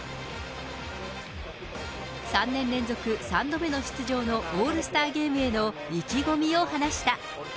３年連続３度目の出場のオールスターゲームへの意気込みを話した。